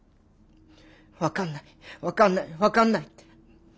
分かんない分かんない分かんないって。